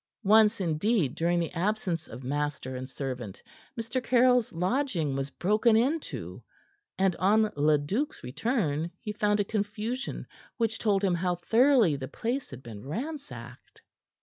Once, indeed, during the absence of master and servant, Mr. Caryll's lodging was broken into, and on Leduc's return he found a confusion which told him how thoroughly the place had been ransacked.